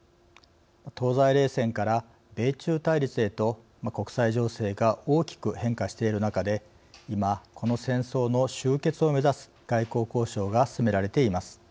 東西冷戦から米中対立へと国際情勢が大きく変化している中で今この戦争の終結を目指す外交交渉が進められています。